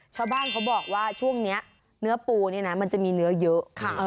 ชาวบ้านเขาบอกว่าช่วงนี้เนื้อปูนี่นะมันจะมีเนื้อเยอะ